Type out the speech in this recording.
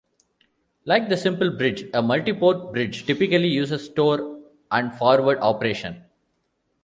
Like the simple bridge, a multiport bridge typically uses store and forward operation.